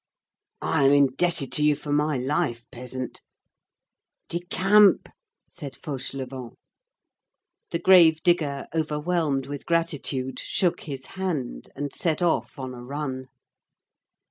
"I am indebted to you for my life, peasant." "Decamp!" said Fauchelevent. The grave digger, overwhelmed with gratitude, shook his hand and set off on a run.